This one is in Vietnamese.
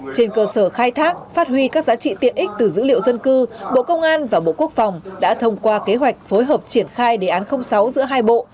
trên cơ sở khai thác phát huy các giá trị tiện ích từ dữ liệu dân cư bộ công an và bộ quốc phòng đã thông qua kế hoạch phối hợp triển khai đề án sáu giữa hai bộ